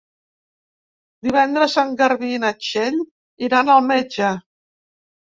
Divendres en Garbí i na Txell iran al metge.